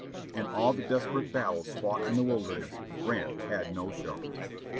In all the desperate battles fought in the Wilderness, Grant had no show.